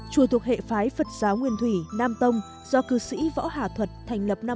chùa thuộc hệ phái phật giáo nguyên thủy nam tông do cư sĩ võ hả thuật thành lập năm một nghìn chín trăm ba mươi sáu